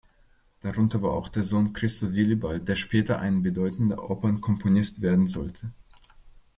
Darunter war auch der Sohn Christoph Willibald, der später ein bedeutender Opernkomponist werden sollte.